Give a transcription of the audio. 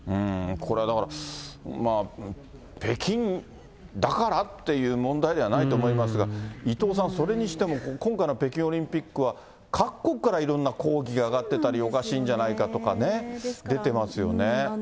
これだから、北京だからっていう問題ではないと思いますが、伊藤さん、それにしても、今回の北京オリンピックは、各国からいろんな抗議が上がってたり、おかしいんじゃないかとかね、出てますよね。